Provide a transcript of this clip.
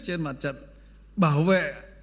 trên mặt trận bảo vệ